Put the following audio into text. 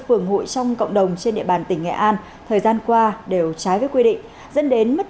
phường hội trong cộng đồng trên địa bàn tỉnh nghệ an thời gian qua đều trái với quy định dẫn đến mất